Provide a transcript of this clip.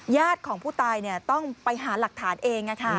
ญาติของผู้ตายต้องไปหาหลักฐานเอง